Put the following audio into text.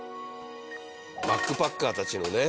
バックパッカーたちのね。